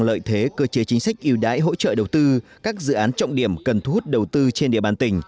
lợi thế cơ chế chính sách yêu đái hỗ trợ đầu tư các dự án trọng điểm cần thu hút đầu tư trên địa bàn tỉnh